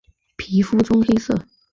皮肤棕黑色。